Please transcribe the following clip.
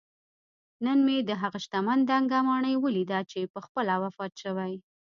نن مې دهغه شتمن دنګه ماڼۍ ولیده چې پخپله وفات شوی